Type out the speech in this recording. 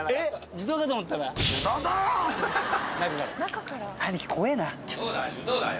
・手動だよ。